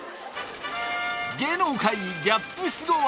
芸能界ギャップすご技